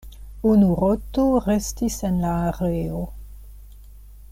Unu roto restis en la areo.